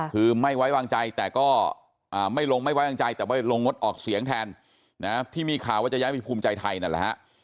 คือไม่ไว้วางใจแต่ก็ไม่ลงไม่ไว้วางใจแต่ว่าลงงดออกเสียงแทนนะที่มีข่าวว่าจะย้ายไปภูมิใจไทยนั่นแหละฮะ